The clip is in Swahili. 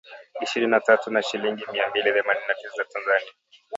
ishirini na tatu na shilingi mia mbili themanini na tisa za Tanzania